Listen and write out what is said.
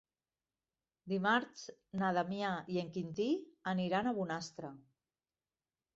Dimarts na Damià i en Quintí aniran a Bonastre.